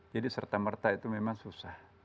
jadi serta merta itu memang susah